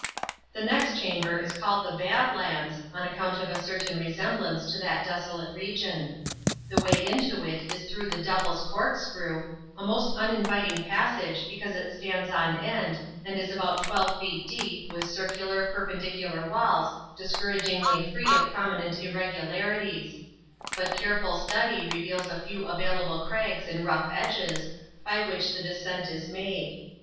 The next chamber is called the Bad Lands, on account of a certain resemblance to that desolate region. The way into it is through the Devil's Corkscrew, a most uninviting passage because it stands on end and is about twelve feet deep with circular, perpendicular walls discouragingly free of prominent irregularities; but careful study reveals a few available crags and rough edges, by which the descent is made.